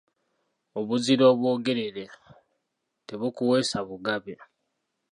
Obuzira obwogerere, tebukuweesa bugabe.